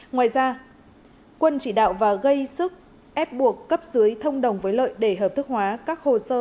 ngoài ra quân chỉ đạo và gây sức ép buộc cấp dưới thông đồng với lợi để hợp thức hóa các hồ sơ